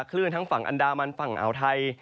ทั้งฝั่งอันดามันฝั่งอ่าวไทย